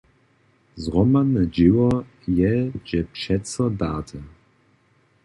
Zhromadne dźěło je dźě přeco date.